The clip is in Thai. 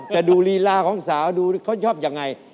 จะดูรีลาของสาวดูเขาชอบอย่างไร